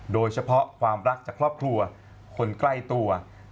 โดยเฉพาะความรักจากครอบครัวคนใกล้ตัว